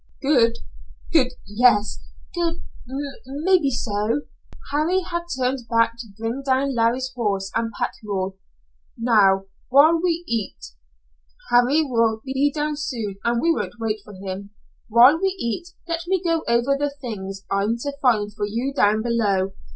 "Good good yes. Good, maybe so." Harry had turned back to bring down Larry's horse and pack mule. "Now, while we eat, Harry will be down soon, we won't wait for him, while we eat, let me go over the things I'm to find for you down below.